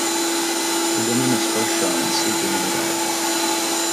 The woman is first shown sleeping in her bed.